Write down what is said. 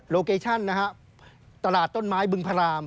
โลเกชชั่นนะครับตลาดต้นไม้บึงพระราม